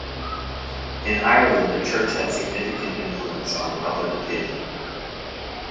In Ireland the church had significant influence on public opinion.